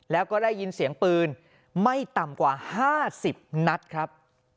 แล้วก็ได้ยินเสียงปืนไม่ต่ำกว่า๕๐นัดครับ